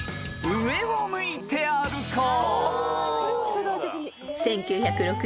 「上を向いて歩こう」